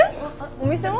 お店は？